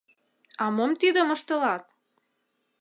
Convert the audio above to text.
— А мом тидым ыштылат?